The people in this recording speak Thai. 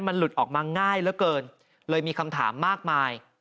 มันหลุดออกมาง่ายเหลือเกินเลยมีคำถามมากมาย